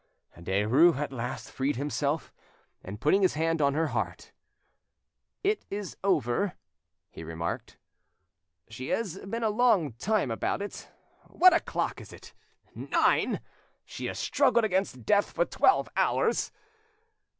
Derues at last freed himself, and putting his hand on her heart, "It is over," he remarked; "she has been a long time about it. What o'clock is it? Nine! She has struggled against death for twelve hours!"